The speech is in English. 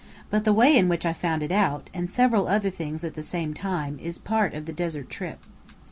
But the way in which I found it out (and several other things at the same time) is part of the desert trip.